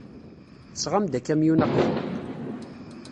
Tesɣam-d akamyun aqbur.